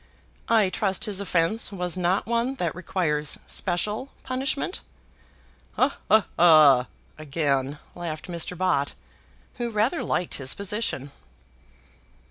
"I trust his offence was not one that requires special punishment." "Ha, ha, ha," again laughed Mr. Bott, who rather liked his position.